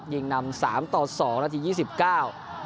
ยิงนำสามต่อสองนาทียี่สิบเก้า